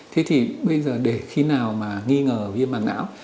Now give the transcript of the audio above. thế thì bây giờ để khi nào mà nghi ngờ viêm mảng não